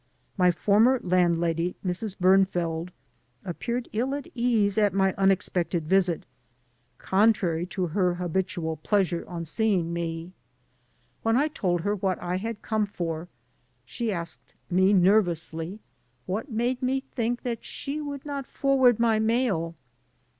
My former landlady, Mrs. Bemf eld, appeared ill at ease at my unexpected visit, contrary to her 168 AN AMERICAN IN THE MAKING habitual pleasure on seeing me. When I told her what I had come for she asked me nervously what made me think that she would not forward my mail.